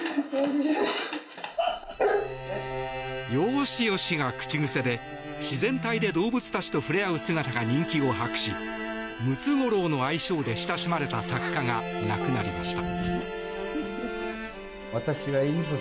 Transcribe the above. よーしよしが口癖で自然体で動物たちと触れ合う姿が人気を博しムツゴロウの愛称で親しまれた作家が亡くなりました。